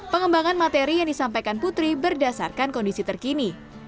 pengembangan materi yang disampaikan putri berdasarkan kondisi terkini